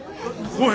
おい！